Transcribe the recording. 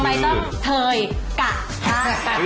สวัสดีครับ